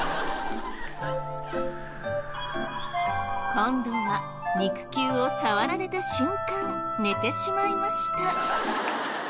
今度は肉球を触られた瞬間寝てしまいました。